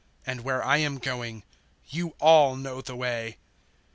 014:004 And where I am going, you all know the way."